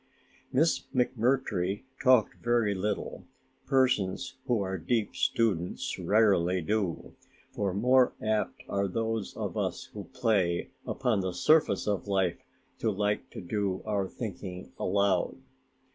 Miss McMurtry talked very little persons who are deep students rarely do; far more apt are those of us who play upon the surface of life to like to do our thinking aloud.